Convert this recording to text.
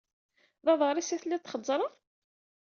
D aḍar-is i telliḍ txeẓẓreḍ?